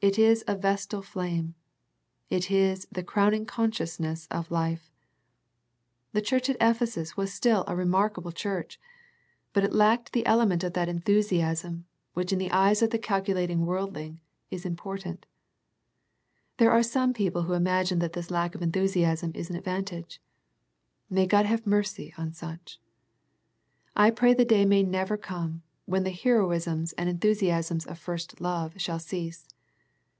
It is a vestal flame. It is the crowning consciousness of life. The church at Ephesus was still a remark 44 A First Century Message able church, but it lacked the element of that enthusiasm, which in the eyes of the calculating worldling, is imprudent. There are some peo ple who imagine that this lack of enthusiasm is an advantage. May God have mercy on such. I pray the day may never come when the hero isms and enthusiasms of first love shall cease.